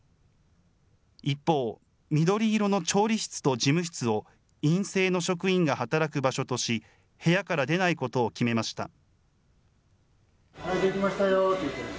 一方、緑色の調理室と事務室を陰性の職員が働く場所とし、部屋から出ないことを決めました。